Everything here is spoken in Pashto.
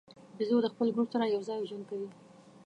بیزو د خپل ګروپ سره یو ځای ژوند کوي.